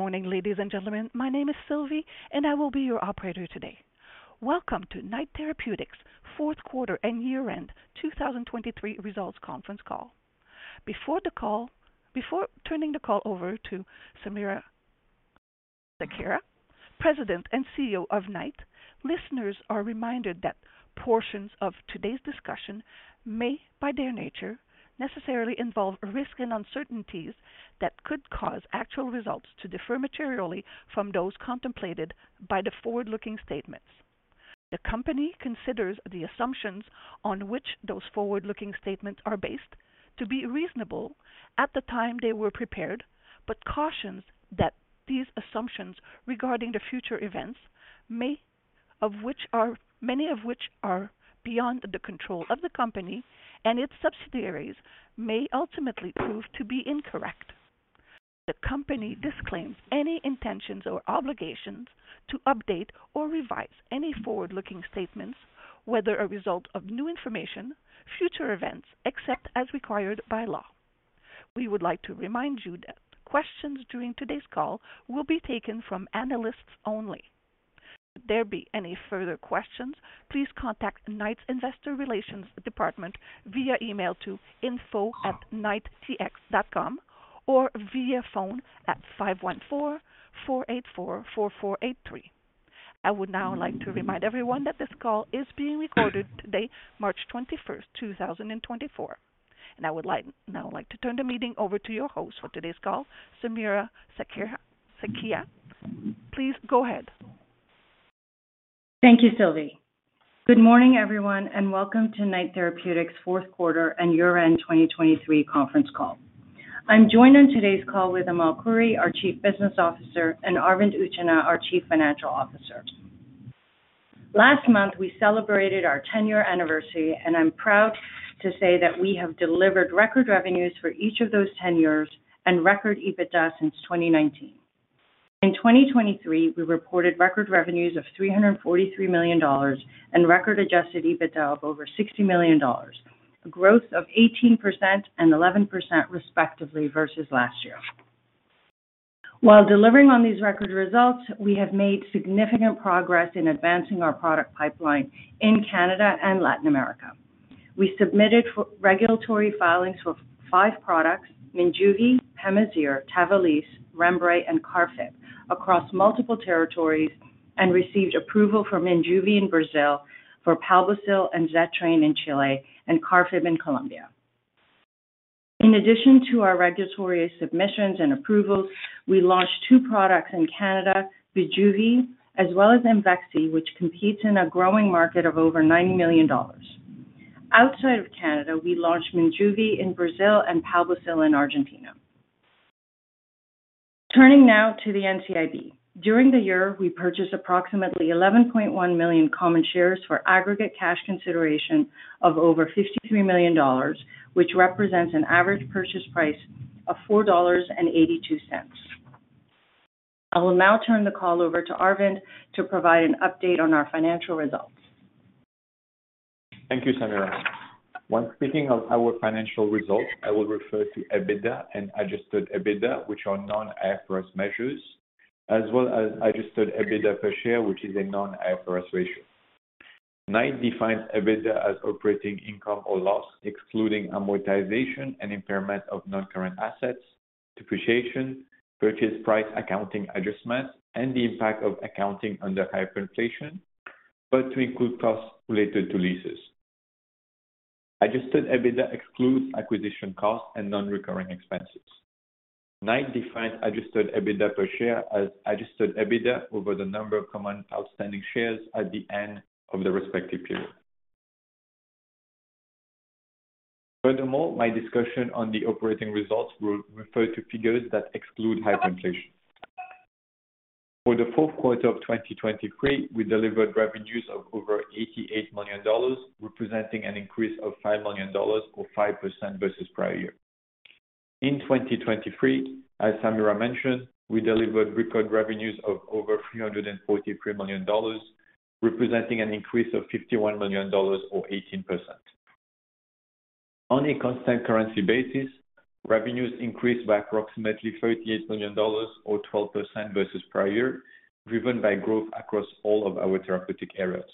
Good morning, ladies and gentlemen. My name is Sylvie, and I will be your operator today. Welcome to Knight Therapeutics' Fourth Quarter and Year-End 2023 Results Conference Call. Before turning the call over to Samira Sakhia, President and CEO of Knight, listeners are reminded that portions of today's discussion may, by their nature, necessarily involve risk and uncertainties that could cause actual results to differ materially from those contemplated by the forward-looking statements. The company considers the assumptions on which those forward-looking statements are based to be reasonable at the time they were prepared, but cautions that these assumptions regarding the future events, many of which are beyond the control of the company and its subsidiaries, may ultimately prove to be incorrect. The company disclaims any intentions or obligations to update or revise any forward-looking statements, whether a result of new information, future events, except as required by law. We would like to remind you that questions during today's call will be taken from analysts only. Should there be any further questions, please contact Knight's Investor Relations Department via email to info@knighttx.com or via phone at 514-484-4483. I would now like to remind everyone that this call is being recorded today, March 21st, 2024. I would like now to turn the meeting over to your host for today's call, Samira Sakhia. Please go ahead. Thank you, Sylvie. Good morning, everyone, and welcome to Knight Therapeutics' fourth quarter and year-end 2023 conference call. I'm joined on today's call with Amal Khouri, our Chief Business Officer, and Arvind Utchanah, our Chief Financial Officer. Last month we celebrated our 10-year anniversary, and I'm proud to say that we have delivered record revenues for each of those 10 years and record EBITDA since 2019. In 2023, we reported record revenues of 343 million dollars and record adjusted EBITDA of over 60 million dollars, a growth of 18% and 11% respectively versus last year. While delivering on these record results, we have made significant progress in advancing our product pipeline in Canada and Latin America. We submitted regulatory filings for five products, Minjuvi, Pemazyre, Tavalisse, Rembre, and Karfib, across multiple territories, and received approval for Minjuvi in Brazil, for Palbocil and Xetrane in Chile, and Karfib in Colombia. In addition to our regulatory submissions and approvals, we launched two products in Canada, Bijuva, as well as Imvexxy, which competes in a growing market of over 90 million dollars. Outside of Canada, we launched Minjuvi in Brazil and Palbocil in Argentina. Turning now to the NCIB. During the year, we purchased approximately 11.1 million common shares for aggregate cash consideration of over 53 million dollars, which represents an average purchase price of 4.82 dollars. I will now turn the call over to Arvind to provide an update on our financial results. Thank you, Samira. When speaking of our financial results, I will refer to EBITDA and adjusted EBITDA, which are non-IFRS measures, as well as adjusted EBITDA per share, which is a non-IFRS ratio. Knight defines EBITDA as operating income or loss excluding amortization and impairment of non-current assets, depreciation, purchase price accounting adjustments, and the impact of accounting under hyperinflation, but to include costs related to leases. Adjusted EBITDA excludes acquisition costs and non-recurring expenses. Knight defines adjusted EBITDA per share as adjusted EBITDA over the number of common outstanding shares at the end of the respective period. Furthermore, my discussion on the operating results will refer to figures that exclude hyperinflation. For the fourth quarter of 2023, we delivered revenues of over 88 million dollars, representing an increase of 5 million dollars or 5% versus prior year. In 2023, as Samira mentioned, we delivered record revenues of over 343 million dollars, representing an increase of 51 million dollars or 18%. On a constant currency basis, revenues increased by approximately 38 million dollars or 12% versus prior year, driven by growth across all of our therapeutic areas.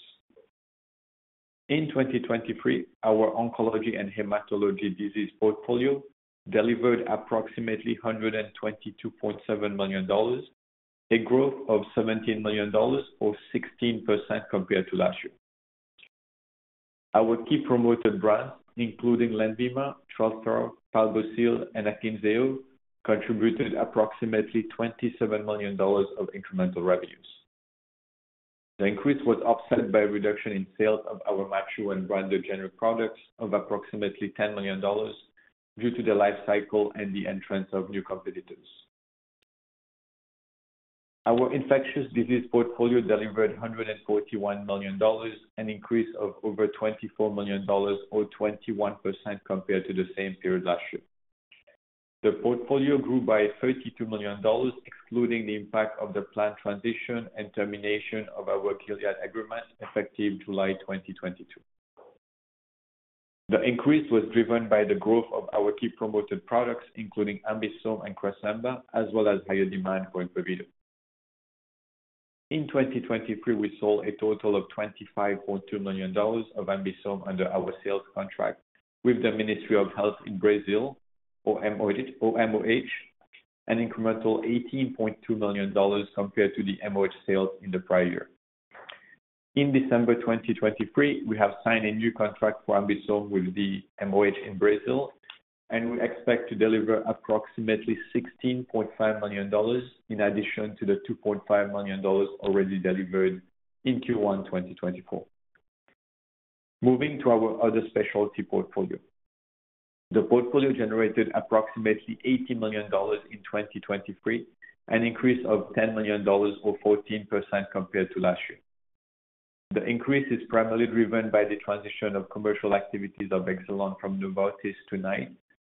In 2023, our oncology and hematology disease portfolio delivered approximately 122.7 million dollars, a growth of 17 million dollars or 16% compared to last year. Our key promoted brands, including Lenvima, Trelstar, Palbocil, and Akynzeo, contributed approximately 27 million dollars of incremental revenues. The increase was offset by a reduction in sales of our Minjuvi and branded generic products of approximately 10 million dollars due to the lifecycle and the entrance of new competitors. Our infectious disease portfolio delivered 141 million dollars, an increase of over 24 million dollars or 21% compared to the same period last year. The portfolio grew by CAD 32 million, excluding the impact of the planned transition and termination of our Gilead agreement effective July 2022. The increase was driven by the growth of our key promoted products, including AmBisome and Cresemba, as well as higher demand for Impavido. In 2023, we sold a total of 25.2 million dollars of AmBisome under our sales contract with the Ministry of Health in Brazil, or MOH, an incremental 18.2 million dollars compared to the MOH sales in the prior year. In December 2023, we have signed a new contract for AmBisome with the MOH in Brazil, and we expect to deliver approximately CAD 16.5 million in addition to the CAD 2.5 million already delivered in Q1 2024. Moving to our other specialty portfolio. The portfolio generated approximately 80 million dollars in 2023, an increase of 10 million dollars or 14% compared to last year. The increase is primarily driven by the transition of commercial activities of Exelon from Novartis to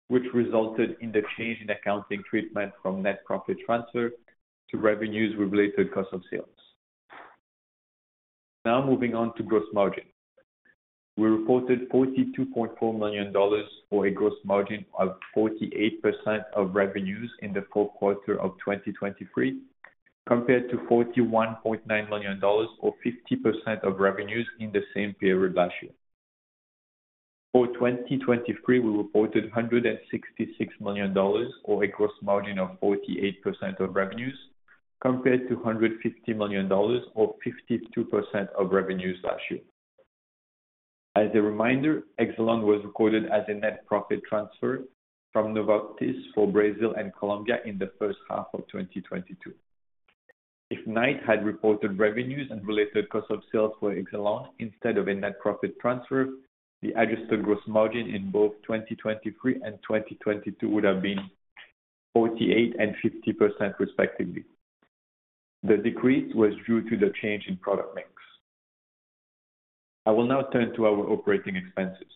Knight, which resulted in the change in accounting treatment from net profit transfer to revenues related to cost of sales. Now moving on to gross margin. We reported 42.4 million dollars or a gross margin of 48% of revenues in the fourth quarter of 2023, compared to 41.9 million dollars or 50% of revenues in the same period last year. For 2023, we reported 166 million dollars or a gross margin of 48% of revenues, compared to 150 million dollars or 52% of revenues last year. As a reminder, Exelon was recorded as a net profit transfer from Novartis for Brazil and Colombia in the first half of 2022. If Knight had reported revenues and related cost of sales for Exelon instead of a net profit transfer, the adjusted gross margin in both 2023 and 2022 would have been 48% and 50% respectively. The decrease was due to the change in product mix. I will now turn to our operating expenses.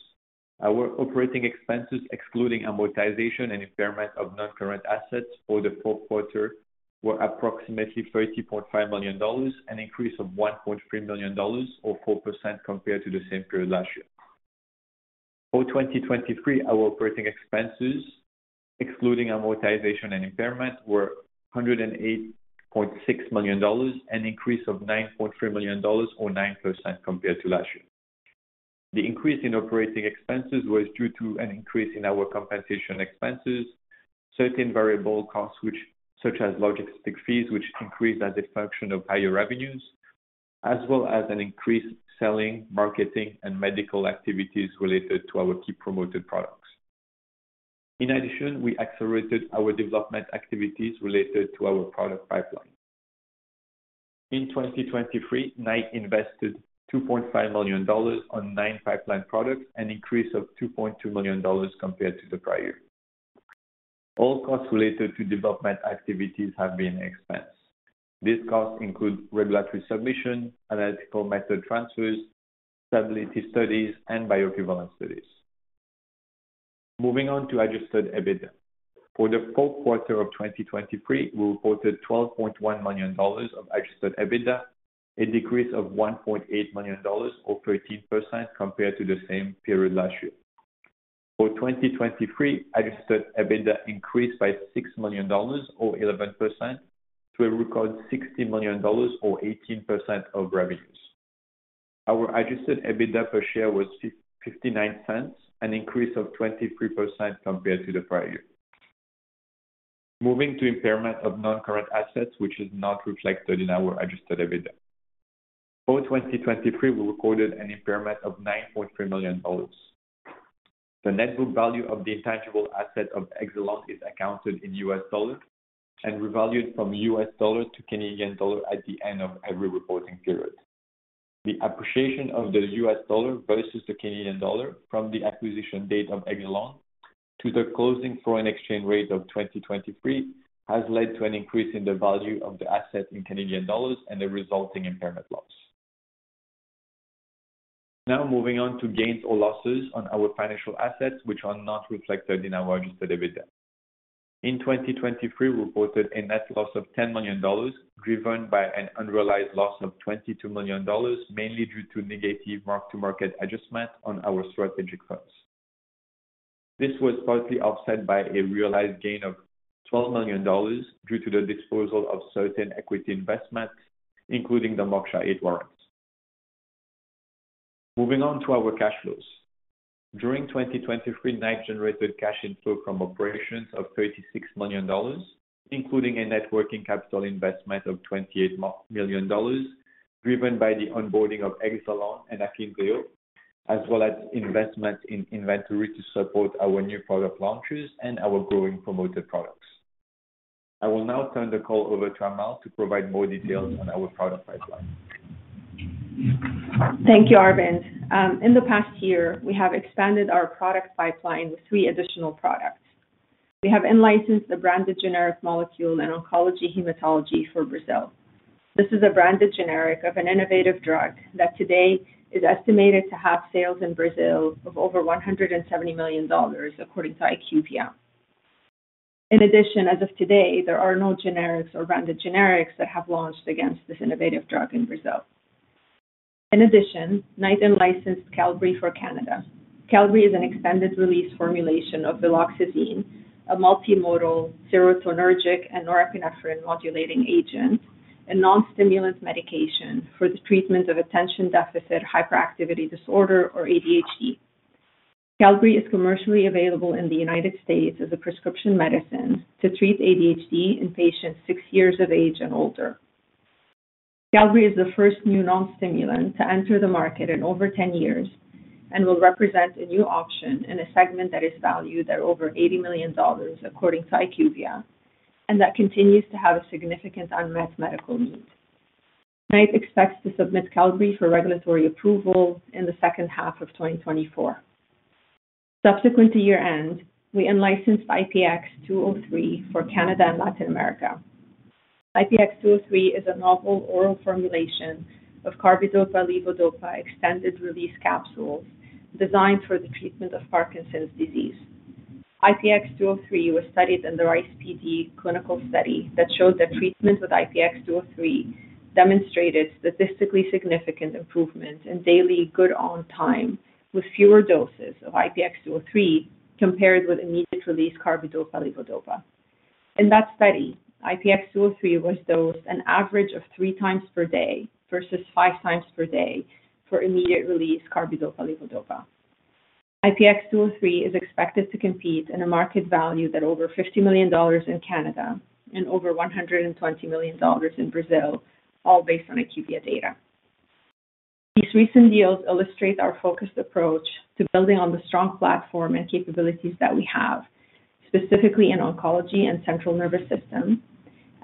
Our operating expenses, excluding amortization and impairment of non-current assets for the fourth quarter, were approximately 30.5 million dollars, an increase of 1.3 million dollars or 4% compared to the same period last year. For 2023, our operating expenses, excluding amortization and impairment, were 108.6 million dollars, an increase of 9.3 million dollars or 9% compared to last year. The increase in operating expenses was due to an increase in our compensation expenses, certain variable costs such as logistic fees, which increased as a function of higher revenues, as well as an increased selling, marketing, and medical activities related to our key promoted products. In addition, we accelerated our development activities related to our product pipeline. In 2023, Knight invested 2.5 million dollars on nine pipeline products, an increase of 2.2 million dollars compared to the prior year. All costs related to development activities have been expensed. These costs include regulatory submission, analytical method transfers, stability studies, and bioequivalent studies. Moving on to Adjusted EBITDA. For the fourth quarter of 2023, we reported CAD 12.1 million of Adjusted EBITDA, a decrease of CAD 1.8 million or 13% compared to the same period last year. For 2023, Adjusted EBITDA increased by 6 million dollars or 11% to a record 60 million dollars or 18% of revenues. Our adjusted EBITDA per share was 0.59, an increase of 23% compared to the prior year. Moving to impairment of non-current assets, which is not reflected in our adjusted EBITDA. For 2023, we recorded an impairment of 9.3 million dollars. The net book value of the intangible asset of Exelon is accounted in U.S. dollars and revalued from U.S. dollar to Canadian dollar at the end of every reporting period. The appreciation of the U.S. dollar versus the Canadian dollar from the acquisition date of Exelon to the closing foreign exchange rate of 2023 has led to an increase in the value of the asset in Canadian dollars and the resulting impairment loss. Now moving on to gains or losses on our financial assets, which are not reflected in our adjusted EBITDA. In 2023, we reported a net loss of 10 million dollars driven by an unrealized loss of 22 million dollars, mainly due to negative mark-to-market adjustment on our strategic funds. This was partly offset by a realized gain of 12 million dollars due to the disposal of certain equity investments, including the Berkshire Hathaway warrants. Moving on to our cash flows. During 2023, Knight generated cash inflow from operations of 36 million dollars, including a net working capital investment of 28 million dollars driven by the onboarding of Exelon and Akynzeo, as well as investments in inventory to support our new product launches and our growing promoted products. I will now turn the call over to Amal to provide more details on our product pipeline. Thank you, Arvind. In the past year, we have expanded our product pipeline with three additional products. We have in-licensed the branded generic molecule in oncology hematology for Brazil. This is a branded generic of an innovative drug that today is estimated to have sales in Brazil of over $170 million, according to IQVIA. In addition, as of today, there are no generics or branded generics that have launched against this innovative drug in Brazil. In addition, Knight in-licensed Qelbree for Canada. Qelbree is an extended-release formulation of viloxazine, a multimodal, serotonergic, and norepinephrine-modulating agent, a non-stimulant medication for the treatment of attention deficit hyperactivity disorder, or ADHD. Qelbree is commercially available in the United States as a prescription medicine to treat ADHD in patients six years of age and older. Qelbree is the first new non-stimulant to enter the market in over 10 years and will represent a new option in a segment that is valued at over $80 million, according to IQVIA, and that continues to have a significant unmet medical need. Knight expects to submit Qelbree for regulatory approval in the second half of 2024. Subsequent to year-end, we in-licensed IPX-203 for Canada and Latin America. IPX-203 is a novel oral formulation of carbidopa-levodopa extended-release capsules designed for the treatment of Parkinson's disease. IPX-203 was studied in the RISE-PD clinical study that showed that treatment with IPX-203 demonstrated statistically significant improvement in daily Good ON time with fewer doses of IPX-203 compared with immediate-release carbidopa-levodopa. In that study, IPX-203 was dosed an average of three times per day versus five times per day for immediate-release carbidopa-levodopa. IPX-203 is expected to compete in a market value that over $50 million in Canada and over $120 million in Brazil, all based on IQVIA data. These recent deals illustrate our focused approach to building on the strong platform and capabilities that we have, specifically in oncology and central nervous system,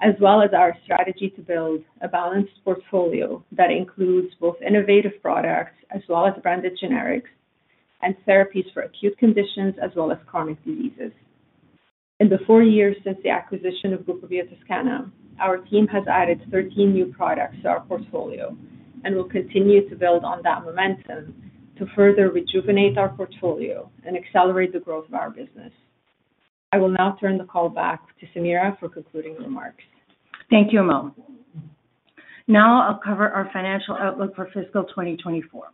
as well as our strategy to build a balanced portfolio that includes both innovative products as well as branded generics and therapies for acute conditions as well as chronic diseases. In the four years since the acquisition of Grupo Biotoscana, our team has added 13 new products to our portfolio and will continue to build on that momentum to further rejuvenate our portfolio and accelerate the growth of our business. I will now turn the call back to Samira for concluding remarks. Thank you, Amal. Now I'll cover our financial outlook for fiscal 2024.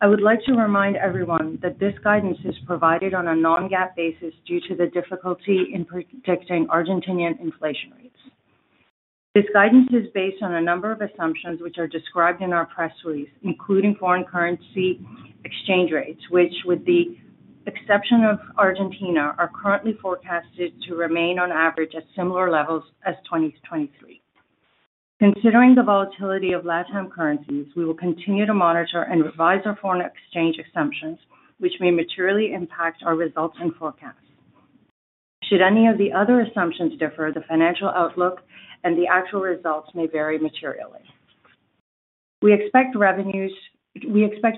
I would like to remind everyone that this guidance is provided on a non-GAAP basis due to the difficulty in predicting Argentine inflation rates. This guidance is based on a number of assumptions which are described in our press release, including foreign currency exchange rates, which, with the exception of Argentina, are currently forecasted to remain on average at similar levels as 2023. Considering the volatility of Latin American currencies, we will continue to monitor and revise our foreign exchange assumptions, which may materially impact our results and forecasts. Should any of the other assumptions differ, the financial outlook and the actual results may vary materially. We expect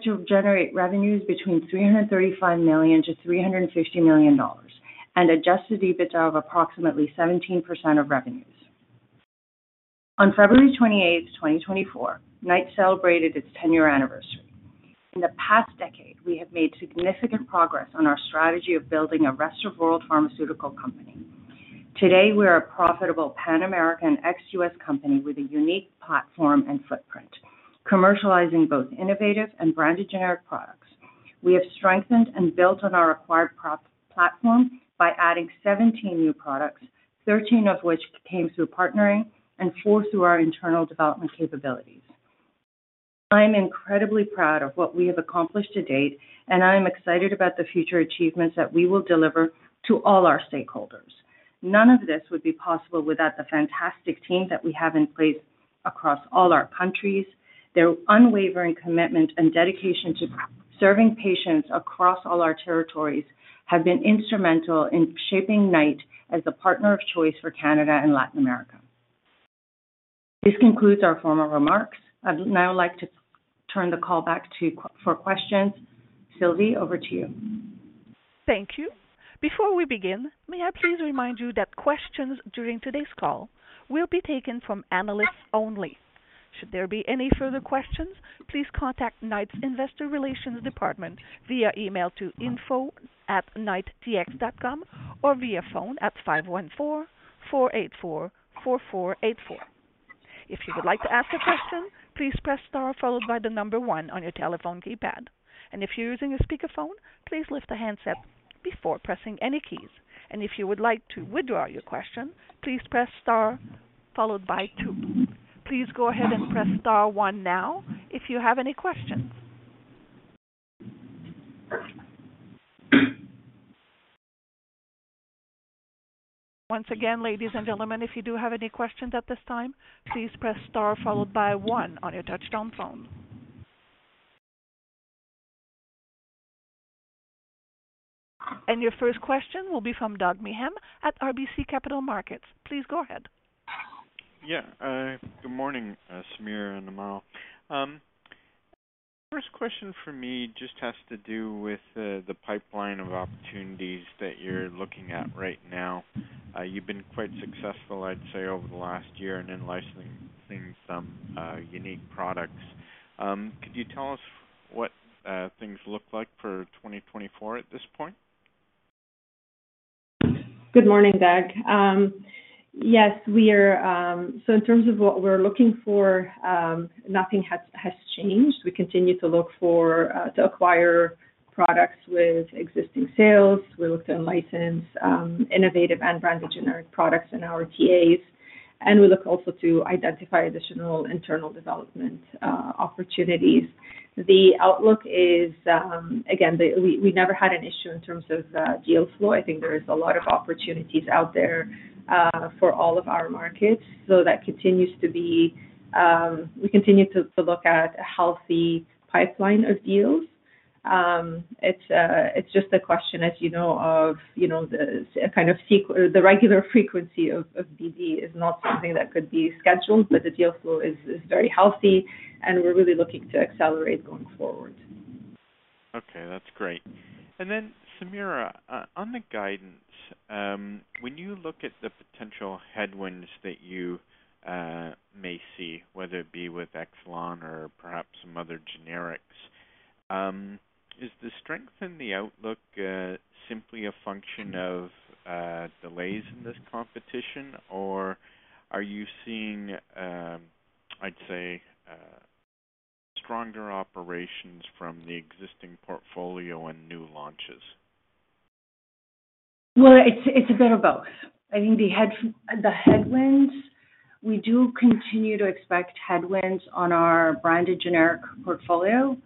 to generate revenues between 335 million-350 million dollars and Adjusted EBITDA of approximately 17% of revenues. On February 28, 2024, Knight celebrated its 10-year anniversary. In the past decade, we have made significant progress on our strategy of building a rest-of-world pharmaceutical company. Today, we are a profitable Pan-American ex-US company with a unique platform and footprint. Commercializing both innovative and branded generic products, we have strengthened and built on our acquired platform by adding 17 new products, 13 of which came through partnering and four through our internal development capabilities. I am incredibly proud of what we have accomplished to date, and I am excited about the future achievements that we will deliver to all our stakeholders. None of this would be possible without the fantastic team that we have in place across all our countries. Their unwavering commitment and dedication to serving patients across all our territories have been instrumental in shaping Knight as the partner of choice for Canada and Latin America. This concludes our formal remarks. I'd now like to turn the call back for questions. Sylvie, over to you. Thank you. Before we begin, may I please remind you that questions during today's call will be taken from analysts only. Should there be any further questions, please contact Knight's investor relations department via email to info@knighttx.com or via phone at 514-484-4484. If you would like to ask a question, please press star followed by the number 1 on your telephone keypad. If you're using a speakerphone, please lift the handset before pressing any keys. If you would like to withdraw your question, please press star followed by 2. Please go ahead and press star 1 now if you have any questions. Once again, ladies and gentlemen, if you do have any questions at this time, please press star followed by 1 on your touchtone phone. Your first question will be from Doug Miehm at RBC Capital Markets. Please go ahead. Yeah. Good morning, Samira and Amal. The first question for me just has to do with the pipeline of opportunities that you're looking at right now. You've been quite successful, I'd say, over the last year in in-licensing some unique products. Could you tell us what things look like for 2024 at this point? Good morning, Doug. Yes. So in terms of what we're looking for, nothing has changed. We continue to look to acquire products with existing sales. We look to in-license innovative and branded generic products in our TAs. And we look also to identify additional internal development opportunities. The outlook is, again, we never had an issue in terms of deal flow. I think there is a lot of opportunities out there for all of our markets. So that continues to be we continue to look at a healthy pipeline of deals. It's just a question, as you know, of the kind of the regular frequency of BD is not something that could be scheduled, but the deal flow is very healthy, and we're really looking to accelerate going forward. Okay. That's great. And then, Samira, on the guidance, when you look at the potential headwinds that you may see, whether it be with Exelon or perhaps some other generics, is the strength in the outlook simply a function of delays in this competition, or are you seeing, I'd say, stronger operations from the existing portfolio and new launches? Well, it's a bit of both. I think the headwinds we do continue to expect headwinds on our branded generic portfolio.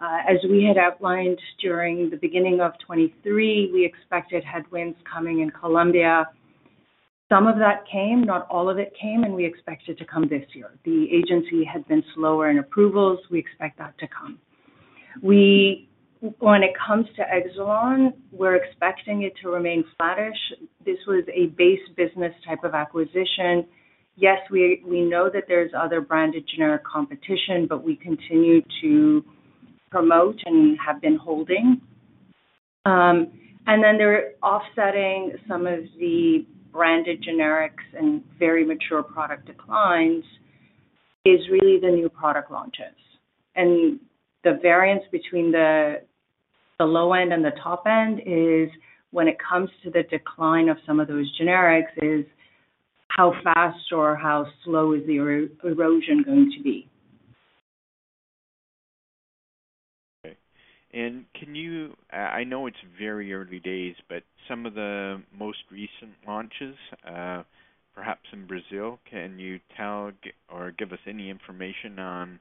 As we had outlined during the beginning of 2023, we expected headwinds coming in Colombia. Some of that came. Not all of it came, and we expect it to come this year. The agency had been slower in approvals. We expect that to come. When it comes to Exelon, we're expecting it to remain flattish. This was a base business type of acquisition. Yes, we know that there's other branded generic competition, but we continue to promote and have been holding. And then they're offsetting some of the branded generics and very mature product declines is really the new product launches. The variance between the low end and the top end is, when it comes to the decline of some of those generics, how fast or how slow is the erosion going to be. Okay. I know it's very early days, but some of the most recent launches, perhaps in Brazil, can you tell or give us any information on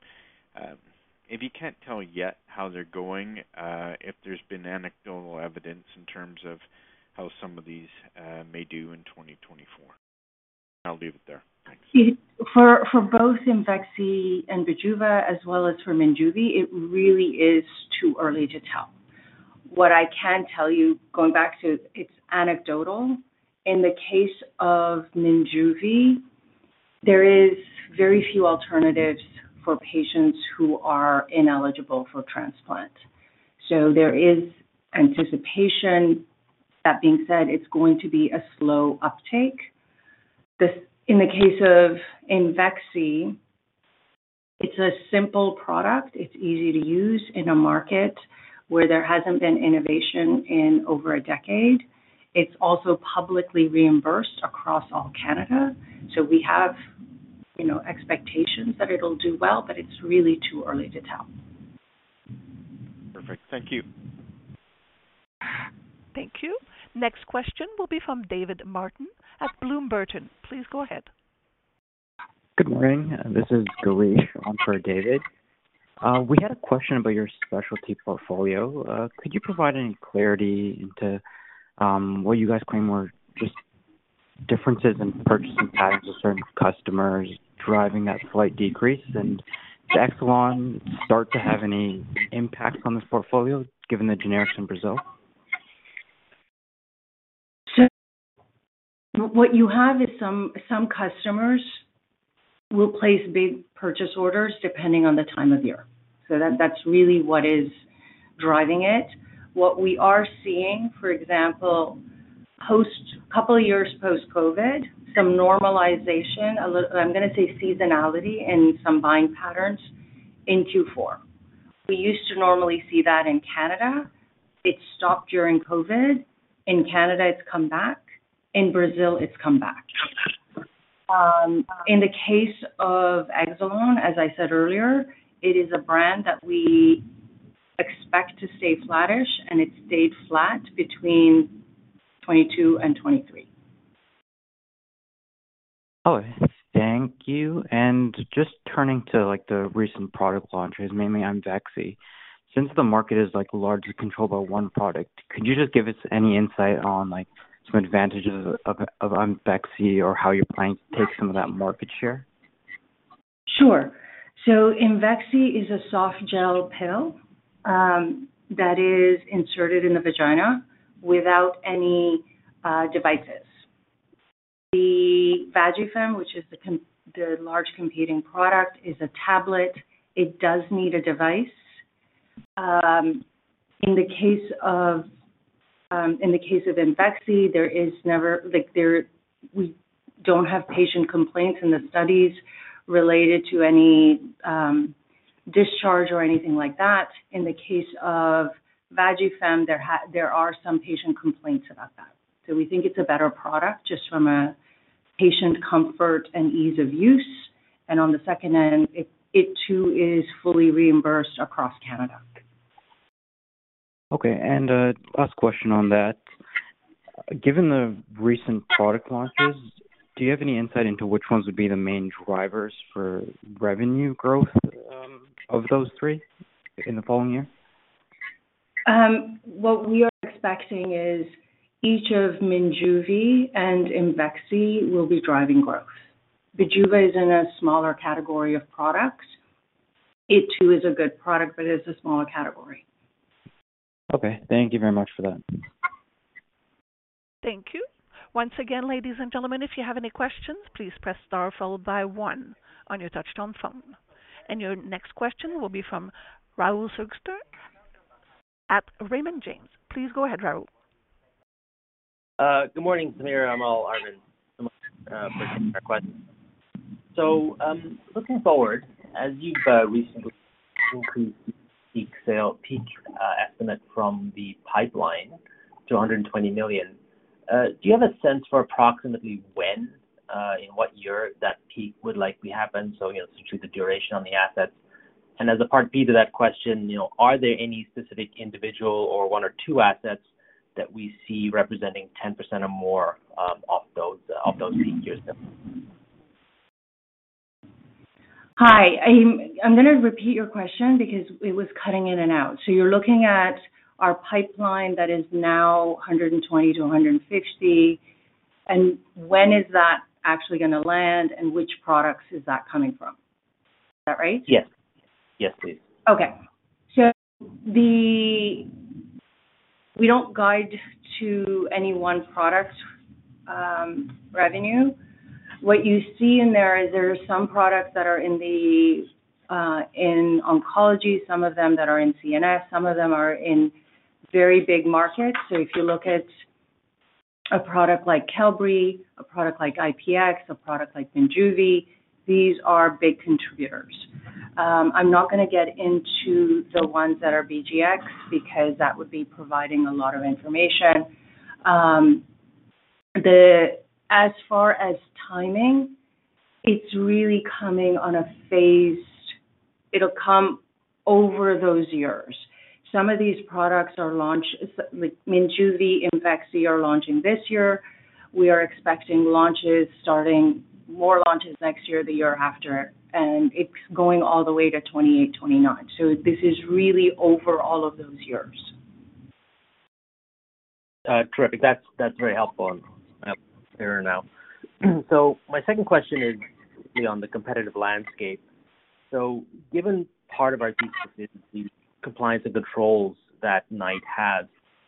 if you can't tell yet how they're going, if there's been anecdotal evidence in terms of how some of these may do in 2024? I'll leave it there. Thanks. For both Imvexxy and Bijuva, as well as for Minjuvi, it really is too early to tell. What I can tell you, going back to it's anecdotal, in the case of Minjuvi, there are very few alternatives for patients who are ineligible for transplant. So there is anticipation. That being said, it's going to be a slow uptake. In the case of Imvexxy, it's a simple product. It's easy to use in a market where there hasn't been innovation in over a decade. It's also publicly reimbursed across all Canada. So we have expectations that it'll do well, but it's really too early to tell. Perfect. Thank you. Thank you. Next question will be from David Martin at Bloom Burton. Please go ahead. Good morning. This is Girish on for David. We had a question about your specialty portfolio. Could you provide any clarity into what you guys claim were just differences in purchasing patterns of certain customers driving that slight decrease? And does Exelon start to have any impacts on the portfolio given the generics in Brazil? So what you have is some customers will place big purchase orders depending on the time of year. So that's really what is driving it. What we are seeing, for example, a couple of years post-COVID, some normalization, I'm going to say seasonality, in some buying patterns in Q4. We used to normally see that in Canada. It stopped during COVID. In Canada, it's come back. In Brazil, it's come back. In the case of Exelon, as I said earlier, it is a brand that we expect to stay flattish, and it stayed flat between 2022 and 2023. All right. Thank you. And just turning to the recent product launches, mainly Imvexxy, since the market is largely controlled by one product, could you just give us any insight on some advantages of Imvexxy or how you're planning to take some of that market share? Sure. So Imvexxy is a soft gel pill that is inserted in the vagina without any devices. The Vagifem, which is the large competing product, is a tablet. It does need a device. In the case of Imvexxy, we don't have patient complaints in the studies related to any discharge or anything like that. In the case of Vagifem, there are some patient complaints about that. So we think it's a better product just from a patient comfort and ease of use. And on the second end, it too is fully reimbursed across Canada. Okay. Last question on that. Given the recent product launches, do you have any insight into which ones would be the main drivers for revenue growth of those three in the following year? What we are expecting is each of Minjuvi and Imvexxy will be driving growth. Bijuva is in a smaller category of products. It too is a good product, but it's a smaller category. Okay. Thank you very much for that. Thank you. Once again, ladies and gentlemen, if you have any questions, please press star followed by one on your touch-tone phone. Your next question will be from Rahul Sarugaser at Raymond James. Please go ahead, Rahul. Good morning, Samira. I'm Arvind. I'm looking forward to our questions. So looking forward, as you've recently increased the peak estimate from the pipeline to 120 million, do you have a sense for approximately when, in what year, that peak would likely happen? So essentially, the duration on the assets. And as a part B to that question, are there any specific individual or one or two assets that we see representing 10% or more of those peak years? Hi. I'm going to repeat your question because it was cutting in and out. So you're looking at our pipeline that is now 120-150. And when is that actually going to land, and which products is that coming from? Is that right? Yes. Yes, please. Okay. So we don't guide to any one product revenue. What you see in there is there are some products that are in oncology, some of them that are in CNS, some of them are in very big markets. So if you look at a product like Qelbree, a product like IPX, a product like Minjuvi, these are big contributors. I'm not going to get into the ones that are BGX because that would be providing a lot of information. As far as timing, it's really coming on a phased; it'll come over those years. Some of these products are launched; Minjuvi, Imvexxy are launching this year. We are expecting more launches next year, the year after. And it's going all the way to 2028, 2029. So this is really over all of those years. Terrific. That's very helpful. I'm here now. So my second question is on the competitive landscape. So given part of our thesis is the compliance and controls that Knight has,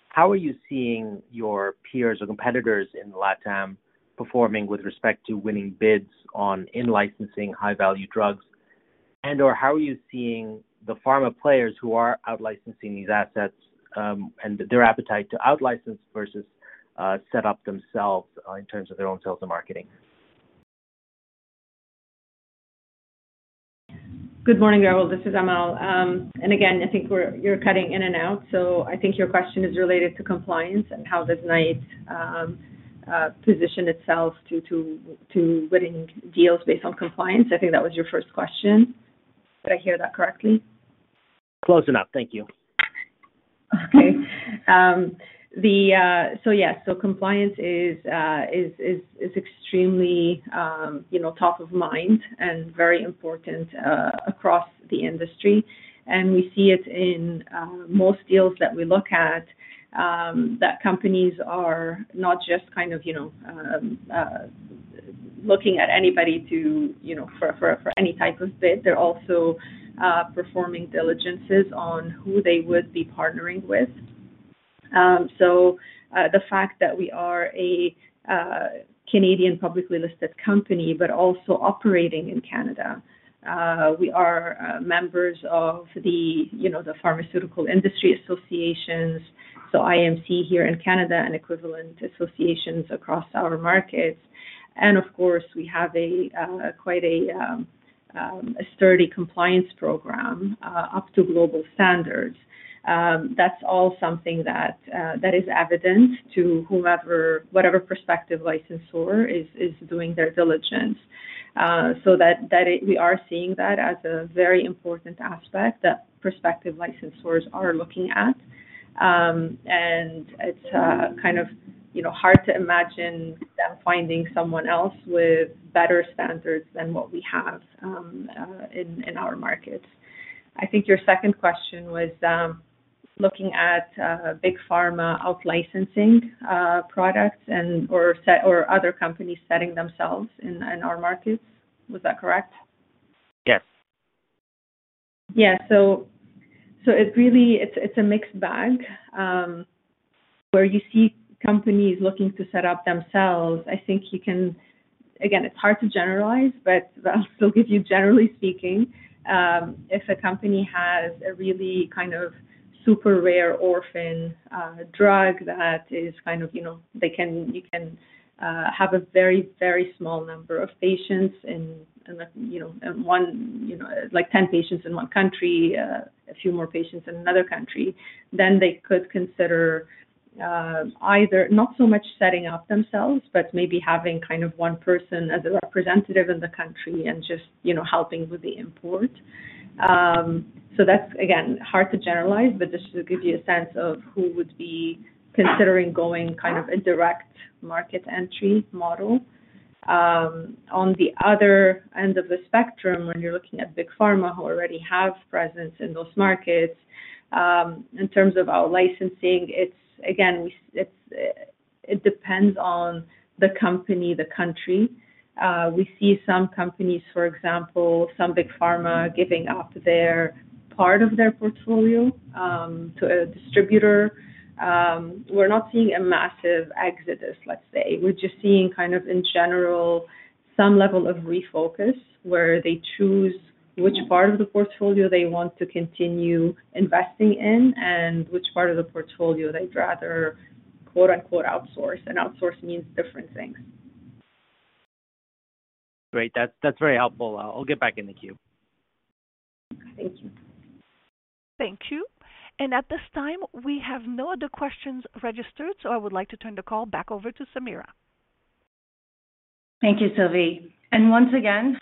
how are you seeing your peers or competitors in LatAm performing with respect to winning bids on outlicensing high-value drugs? And/or how are you seeing the pharma players who are outlicensing these assets and their appetite to outlicense versus set up themselves in terms of their own sales and marketing? Good morning, Rahul. This is Amal. And again, I think you're cutting in and out. So I think your question is related to compliance and how does Knight position itself to winning deals based on compliance? I think that was your first question. Did I hear that correctly? Close enough. Thank you. Okay. So yes. So compliance is extremely top of mind and very important across the industry. We see it in most deals that we look at that companies are not just kind of looking at anybody for any type of bid. They're also performing diligences on who they would be partnering with. So the fact that we are a Canadian publicly listed company but also operating in Canada, we are members of the pharmaceutical industry associations, so IMC here in Canada and equivalent associations across our markets. And of course, we have quite a sturdy compliance program up to global standards. That's all something that is evident to whatever prospective licensor is doing their diligence. So we are seeing that as a very important aspect that prospective licensors are looking at. It's kind of hard to imagine them finding someone else with better standards than what we have in our markets. I think your second question was looking at big pharma outlicensing products or other companies setting themselves in our markets. Was that correct? Yes. Yeah. So it's a mixed bag. Where you see companies looking to set up themselves, I think you can again, it's hard to generalize, but I'll still give you generally speaking. If a company has a really kind of super rare orphan drug that is kind of you can have a very, very small number of patients in one like 10 patients in one country, a few more patients in another country, then they could consider either not so much setting up themselves, but maybe having kind of one person as a representative in the country and just helping with the import. So that's, again, hard to generalize, but just to give you a sense of who would be considering going kind of a direct market entry model. On the other end of the spectrum, when you're looking at big pharma who already have presence in those markets, in terms of our licensing, again, it depends on the company, the country. We see some companies, for example, some big pharma giving up part of their portfolio to a distributor. We're not seeing a massive exodus, let's say. We're just seeing kind of, in general, some level of refocus where they choose which part of the portfolio they want to continue investing in and which part of the portfolio they'd rather "outsource." Outsource means different things. Great. That's very helpful. I'll get back in the queue. Thank you. Thank you. At this time, we have no other questions registered, so I would like to turn the call back over to Samira. Thank you, Sylvie. Once again,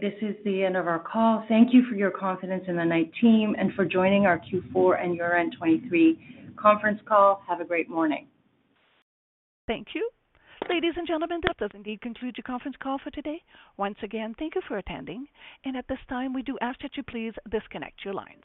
this is the end of our call. Thank you for your confidence in the Knight team and for joining our Q4 and year-end 2023 conference call. Have a great morning. Thank you. Ladies and gentlemen, that does indeed conclude your conference call for today. Once again, thank you for attending. And at this time, we do ask that you please disconnect your lines.